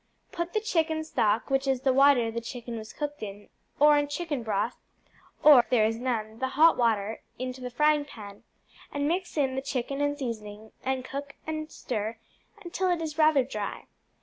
Put the chicken stock, which is the water the chicken was cooked in, or chicken broth, or, if there is none, the hot water, into the frying pan, and mix in the chicken and seasoning, and cook and stir till it is rather dry.